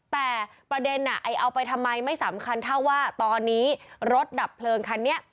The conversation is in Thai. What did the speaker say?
แต่ประเด็นเอาไปทำไมไม่สำคัญเท่าว่าตอนนี้รถดับเพลิงคันนี้